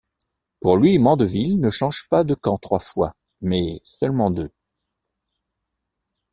Pour lui, Mandeville ne change pas de camp trois fois, mais seulement deux.